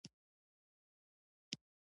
چې پر پاسه یې پرې غلیظ ساس اچول شوی و.